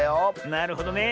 なるほどね。